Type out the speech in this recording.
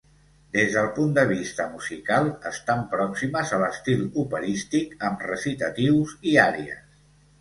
Des del punt de vista musical, estan pròximes a l'estil operístic, amb recitatius i àries.